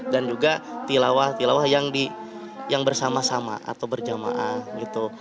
dan juga tilawah tilawah yang bersama sama atau berjamaah gitu